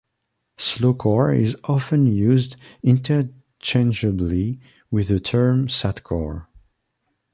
Slowcore is often used interchangeably with the term sadcore.